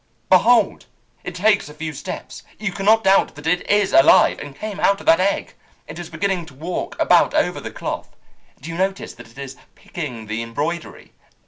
"Behold, it takes a few steps! You cannot doubt that it is alive, and came out of that egg. It is beginning to walk about over the cloth. Do you notice that it is picking the embroidery?